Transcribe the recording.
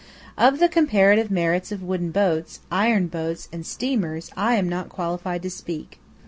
Of the comparative merits of wooden boats, iron boats, and steamers, I am not qualified to speak.